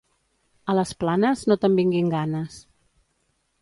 A les Planes, no te'n vinguin ganes.